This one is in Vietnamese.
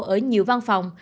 ở nhiều văn phòng